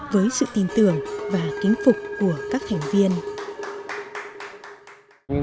với sự tin tưởng và kính phục của các thành viên